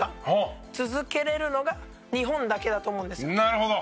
なるほど。